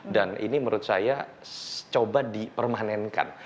dan ini menurut saya coba dipermanenkan